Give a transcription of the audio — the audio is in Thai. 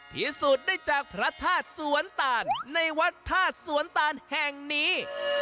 พิสูจน์ได้จากพระธาตุสวนตาลในวัดธาตุสวนตานแห่งนี้